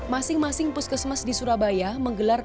masing masing puskesmas di surabaya menggelar